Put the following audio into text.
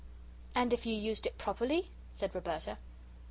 "And if you used it properly?" said Roberta.